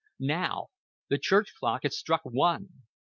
Now! The church clock had struck one.